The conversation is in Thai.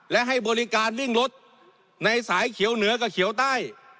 และให้บริการวิ่งรถในสายเขียวเหนือกับเขียวใต้